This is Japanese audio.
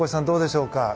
どうでしょうか。